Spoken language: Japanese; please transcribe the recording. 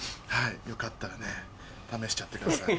よかったら試しちゃってください。